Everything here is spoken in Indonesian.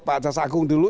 pak casa agung dulu